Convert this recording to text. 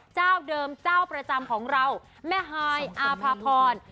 เจ้าเดิมเจ้าประจำของเราแม่ฮายอาภาพร